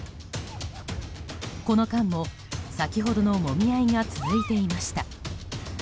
この間も、先ほどのもみ合いが続いていました。